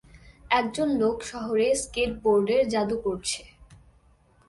একজন লোক শহরে স্কেটবোর্ডের জাদু করছে।